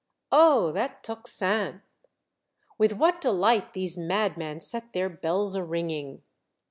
Oh ! that tocsin. With what dehght these madmen set their bells a ringing.